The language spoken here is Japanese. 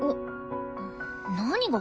何が？